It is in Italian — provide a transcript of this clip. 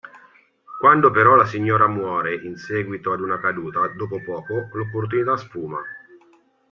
Quando però la signora muore in seguito a una caduta dopo poco, l'opportunità sfuma.